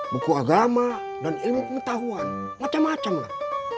buku agama dan ilmu pengetahuan macam macam lah